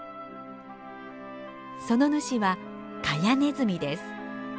その主はカヤネズミです。